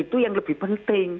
itu yang lebih penting